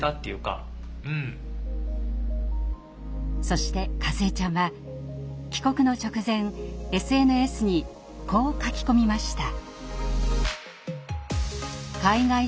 そしてかずえちゃんは帰国の直前ＳＮＳにこう書き込みました。